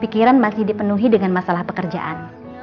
pikiran masih dipenuhi dengan masalah pekerjaan